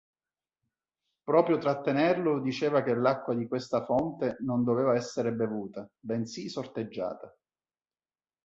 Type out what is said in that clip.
Proprio Trattenerlo diceva che l'acqua di questa fonte non doveva essere bevuta, bensì sorteggiata.